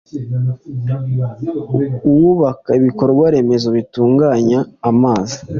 uwubaka ibikorwaremezo bitunganya amazi